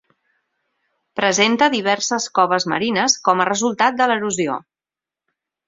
Presenta diverses coves marines com a resultat de l'erosió.